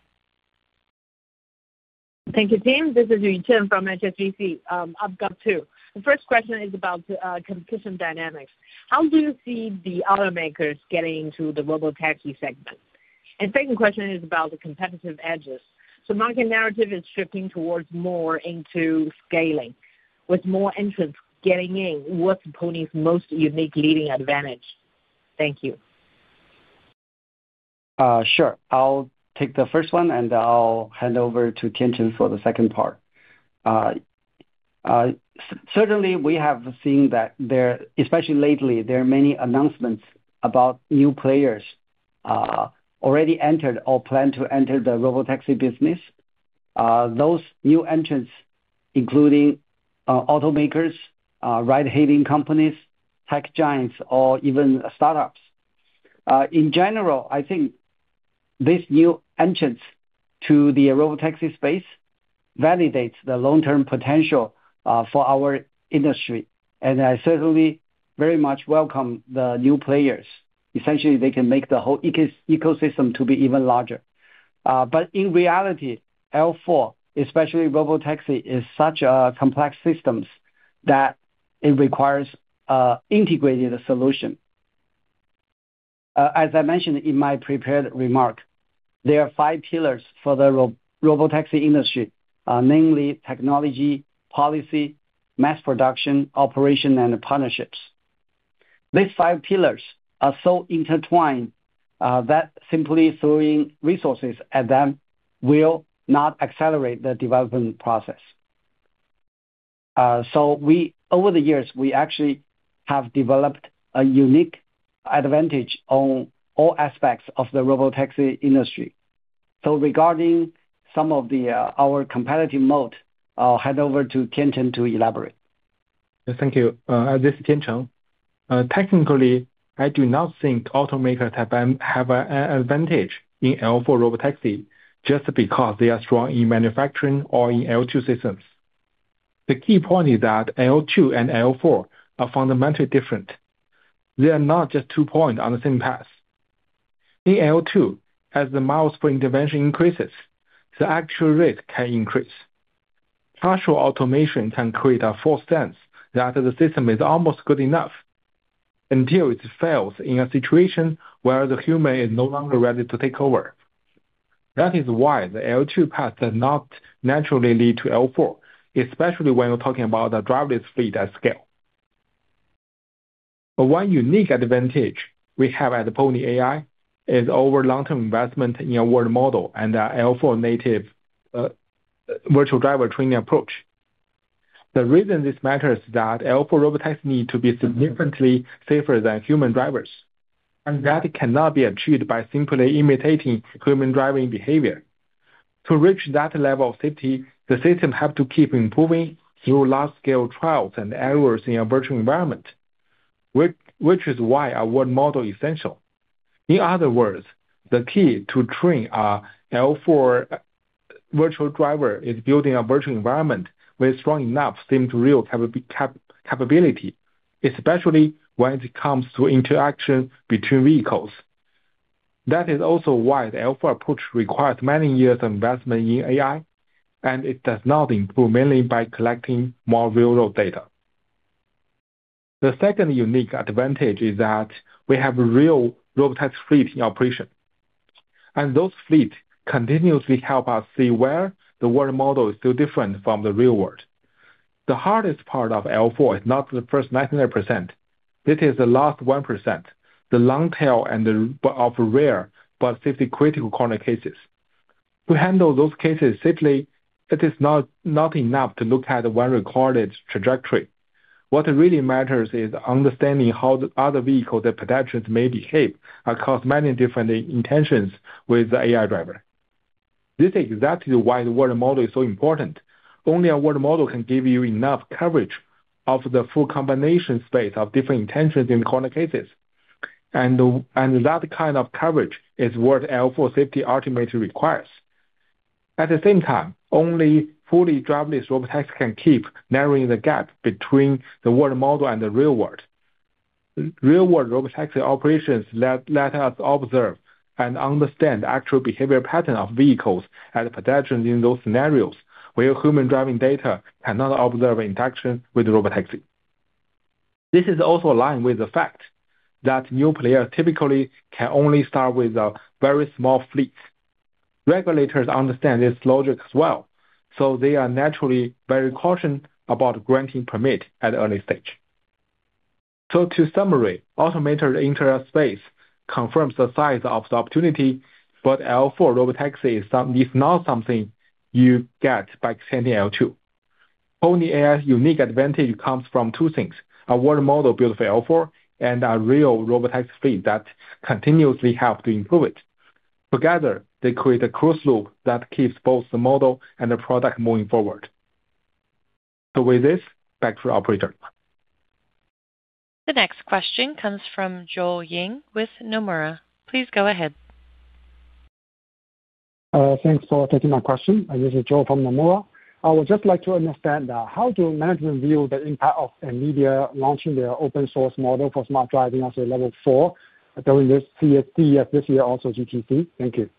Thank you, team. This is Yu-Chien Ting from HSBC. I've got two. The first question is about the competition dynamics. How do you see the automakers getting into the Robotaxi segment? Second question is about the competitive edges. Market narrative is shifting towards more into scaling. With more entrants getting in, what's Pony's most unique leading advantage? Thank you. Sure. I'll take the first one, and I'll hand over to Tiancheng for the second part. Certainly, we have seen that there, especially lately, there are many announcements about new players already entered or plan to enter the Robotaxi business. Those new entrants including automakers, ride-hailing companies, tech giants, or even startups. In general, I think these new entrants to the Robotaxi space validates the long-term potential for our industry. I certainly very much welcome the new players. Essentially, they can make the whole ecosystem to be even larger. In reality, L4, especially Robotaxi, is such a complex systems that it requires a integrated solution. As I mentioned in my prepared remark, there are five pillars for the Robotaxi industry, namely technology, policy, mass production, operation, and partnerships. These five pillars are so intertwined that simply throwing resources at them will not accelerate the development process. Over the years, we actually have developed a unique advantage on all aspects of the Robotaxi industry. Regarding some of our competitive moat, I'll hand over to Tiancheng to elaborate. Thank you. This is Tiancheng Lou. Technically, I do not think automakers have an advantage in L4 Robotaxi just because they are strong in manufacturing or in L2 systems. The key point is that L2 and L4 are fundamentally different. They are not just two points on the same path. In L2, as the miles per intervention increases, the actual risk can increase. Partial automation can create a false sense that the system is almost good enough until it fails in a situation where the human is no longer ready to take over. That is why the L2 path does not naturally lead to L4, especially when you're talking about the driverless fleet at scale. One unique advantage we have at Pony.ai is our long-term investment in our world model and our L4 native virtual driver training approach. The reason this matters is that L4 Robotaxis need to be significantly safer than human drivers, and that cannot be achieved by simply imitating human driving behavior. To reach that level of safety, the system have to keep improving through large-scale trials and errors in a virtual environment, which is why our world model essential. In other words, the key to train a L4 virtual driver is building a virtual environment with strong enough sim-to-real capability, especially when it comes to interaction between vehicles. That is also why the L4 approach requires many years of investment in AI, and it does not improve mainly by collecting more real-world data. The second unique advantage is that we have real Robotaxi fleet in operation, and those fleet continuously help us see where the world model is still different from the real world. The hardest part of L4 is not the first 99%. It is the last 1%, the long tail of rare, but safety-critical corner cases. To handle those cases safely, it is not enough to look at 1 recorded trajectory. What really matters is understanding how the other vehicles and pedestrians may behave across many different intentions with the AI driver. This is exactly why the world model is so important. Only a world model can give you enough coverage of the full combination space of different intentions in corner cases. And that kind of coverage is what L4 safety ultimately requires. At the same time, only fully driverless Robotaxis can keep narrowing the gap between the world model and the real world. Real-world Robotaxi operations let us observe and understand the actual behavior pattern of vehicles and pedestrians in those scenarios where human driving data cannot observe interaction with the Robotaxi. This is also aligned with the fact that new players typically can only start with a very small fleet. Regulators understand this logic as well, so they are naturally very cautious about granting permit at early stage. In summary, autonomous vehicle space confirms the size of the opportunity, but L4 Robotaxi is not something you get by extending L2. Pony.ai's unique advantage comes from two things, a world model built for L4 and a real Robotaxi fleet that continuously help to improve it. Together, they create a closed loop that keeps both the model and the product moving forward. With this, back to operator. The next question comes from Joel Ying with Nomura. Please go ahead. Thanks for taking my question. This is Joel Ying from Nomura. I would just like to understand how do management view the impact of NVIDIA launching their open source model for smart driving as a level four during this year also GTC? Thank you.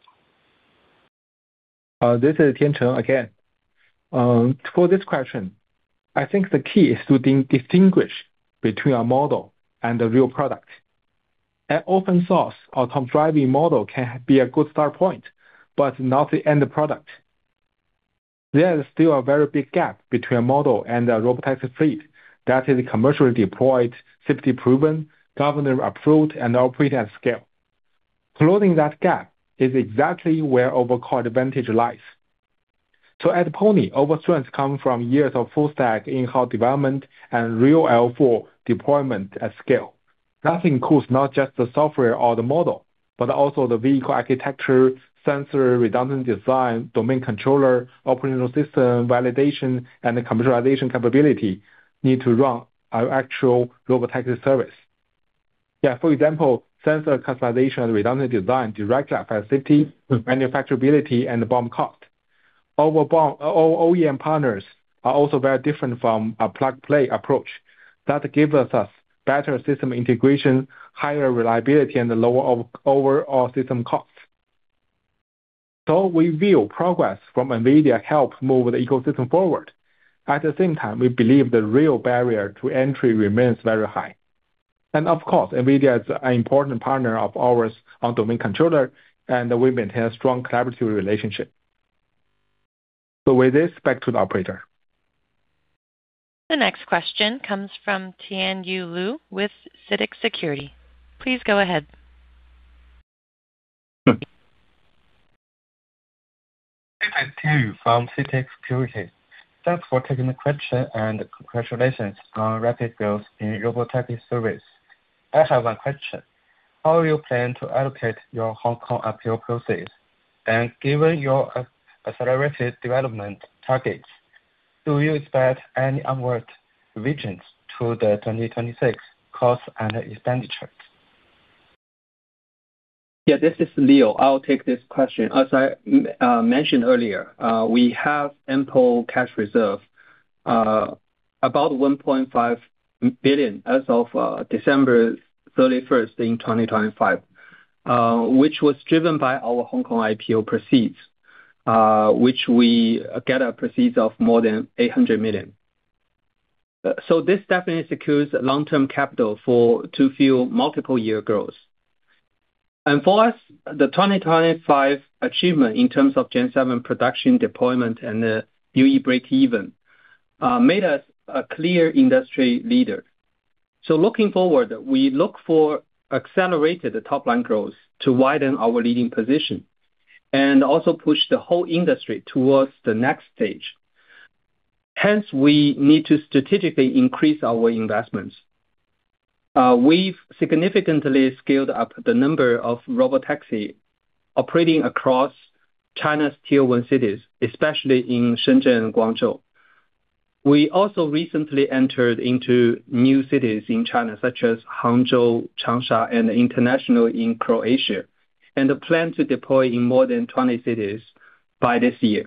This is Tiancheng again. For this question, I think the key is to distinguish between a model and a real product. An open source autonomous driving model can be a good starting point, but not the end product. There is still a very big gap between model and a Robotaxi fleet that is commercially deployed, safety proven, government approved, and operate at scale. Closing that gap is exactly where our core advantage lies. At Pony, our strengths come from years of full stack in-house development and real L4 deployment at scale. That includes not just the software or the model, but also the vehicle architecture, sensor, redundant design, domain controller, operating system, validation, and commercialization capabilities needed to run our actual Robotaxi service. Yeah, for example, sensor customization and redundant design directly affect safety, manufacturability, and BOM cost. Our OEM partners are also very different from a plug-and-play approach. That gives us better system integration, higher reliability, and a lower overall system cost. We view progress from NVIDIA helps move the ecosystem forward. At the same time, we believe the real barrier to entry remains very high. Of course, NVIDIA is an important partner of ours on domain controller, and we maintain a strong collaborative relationship. With this, back to the operator. The next question comes from Tianyu Lu with CITIC Securities. Please go ahead. This is Tianyu Lu from CITIC Securities. Thanks for taking the question and congratulations on rapid growth in Robotaxi service. I have one question. How will you plan to allocate your Hong Kong IPO proceeds? Given your accelerated development targets, do you expect any upward revisions to the 2026 costs and expenditures? Yeah, this is Leo. I'll take this question. As I mentioned earlier, we have ample cash reserve, about $1.5 billion as of December 31, 2025, which was driven by our Hong Kong IPO proceeds, which we got proceeds of more than $800 million. This definitely secures long-term capital to fuel multi-year growth. For us, the 2025 achievement in terms of Gen-7 production deployment and the UE breakeven made us a clear industry leader. Looking forward, we look for accelerated top-line growth to widen our leading position and also push the whole industry towards the next stage. Hence, we need to strategically increase our investments. We've significantly scaled up the number of Robotaxi operating across China's tier one cities, especially in Shenzhen and Guangzhou. We also recently entered into new cities in China such as Hangzhou, Changsha, and international in Croatia, and plan to deploy in more than 20 cities by this year.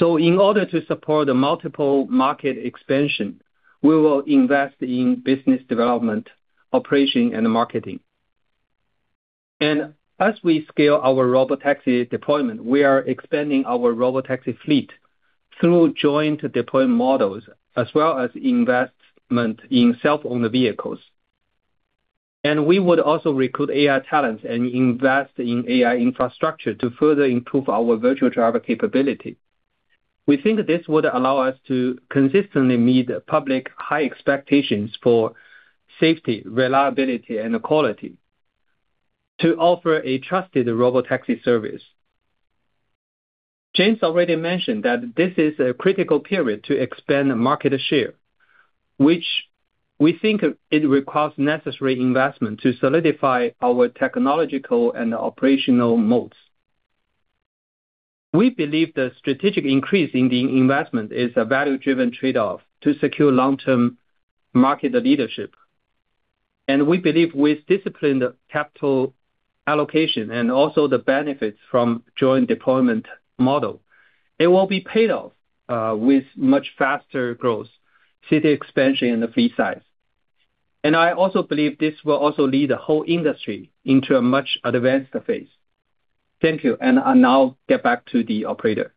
In order to support the multiple market expansion, we will invest in business development, operation, and marketing. As we scale our Robotaxi deployment, we are expanding our Robotaxi fleet through joint deployment models as well as investment in self-owned vehicles. We would also recruit AI talents and invest in AI infrastructure to further improve our virtual driver capability. We think this would allow us to consistently meet public high expectations for safety, reliability, and quality to offer a trusted Robotaxi service. James already mentioned that this is a critical period to expand market share, which we think it requires necessary investment to solidify our technological and operational modes. We believe the strategic increase in the investment is a value-driven trade-off to secure long-term market leadership. We believe with disciplined capital allocation and also the benefits from joint deployment model, it will be paid off, with much faster growth, city expansion, and the fleet size. I also believe this will also lead the whole industry into a much advanced phase. Thank you. I'll now get back to the operator.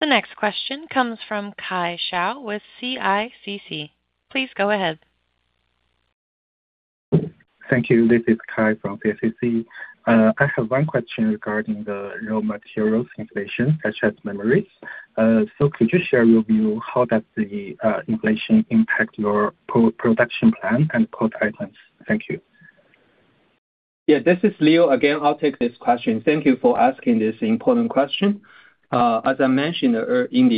The next question comes from Kai Shao with CICC. Please go ahead. Thank you. This is Kai from CICC. I have one question regarding the raw materials inflation, such as memories. Could you share your view how does the inflation impact your pre-production plan and product items? Thank you. Yeah, this is Leo again. I'll take this question. Thank you for asking this important question. As I mentioned earlier in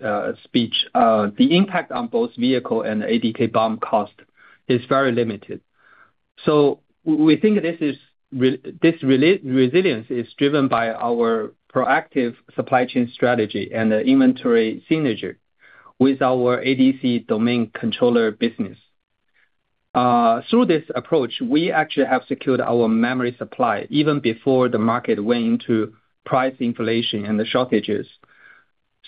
the speech, the impact on both vehicle and ADK BOM cost is very limited. We think this resilience is driven by our proactive supply chain strategy and the inventory synergy with our ADC domain controller business. Through this approach, we actually have secured our memory supply even before the market went into price inflation and the shortages.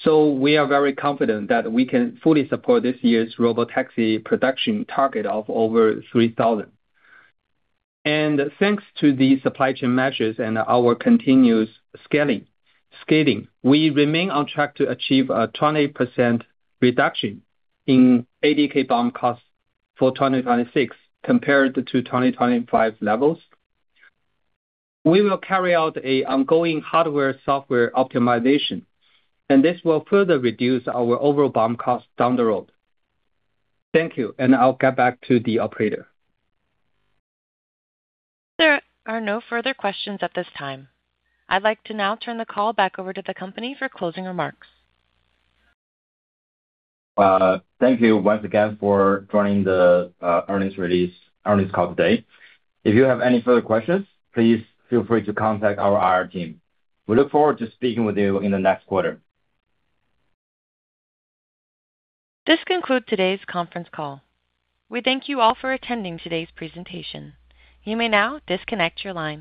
We are very confident that we can fully support this year's Robotaxi production target of over 3,000. Thanks to the supply chain measures and our continuous scaling, we remain on track to achieve a 20% reduction in ADK BOM costs for 2026 compared to 2025 levels. We will carry out an ongoing hardware/software optimization, and this will further reduce our overall BOM costs down the road. Thank you. I'll get back to the operator. There are no further questions at this time. I'd like to now turn the call back over to the company for closing remarks. Thank you once again for joining the earnings call today. If you have any further questions, please feel free to contact our IR team. We look forward to speaking with you in the next quarter. This concludes today's conference call. We thank you all for attending today's presentation. You may now disconnect your lines.